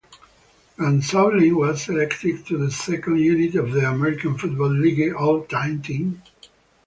Gonsoulin was selected to the second unit of the American Football League All-Time Team.